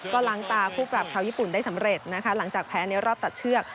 ก็ล้างตาคู่ปรับชาวญี่ปุ่นได้สำเร็จนะคะหลังจากแพ้ในรอบตัดเชือก